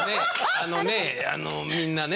あのねあのみんなね。